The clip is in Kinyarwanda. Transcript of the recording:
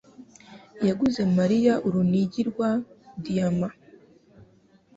yaguze Mariya urunigi rwa diyama